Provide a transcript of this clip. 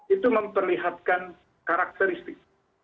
itu memperlihatkan karakteristik